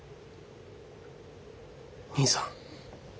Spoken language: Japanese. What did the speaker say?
兄さん。